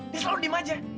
dia selalu diem aja